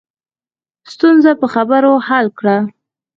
ستونزه په خبرو حل کړه